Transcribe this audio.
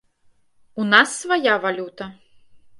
У нас свая валюта.